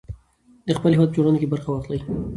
د خپل هېواد په جوړونه کې برخه واخلئ.